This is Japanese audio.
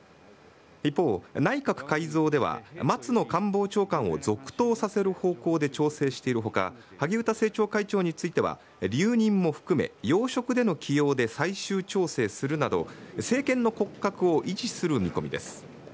一方、内閣改造では、松野官房長官を続投させる方向で調整しているほか、萩生田政調会長については、留任も含め、要職での起用で最終調整するなど、政権の骨格を維持する見込みです。